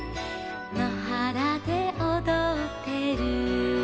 「のはらでおどってる」